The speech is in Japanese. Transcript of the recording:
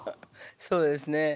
そうですね。